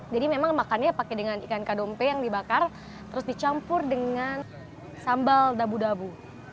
jadi memang makannya pakai dengan ikan kadompe yang dibakar terus dicampur dengan sambal dabu dabu